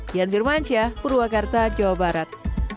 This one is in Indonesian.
dian firmansyah purwakarta jawa barat